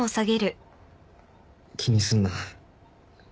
気にすんな。